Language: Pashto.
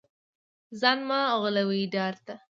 ځان مه غولوې ډارت